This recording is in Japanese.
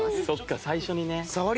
そっか最初にね。